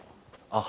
あ。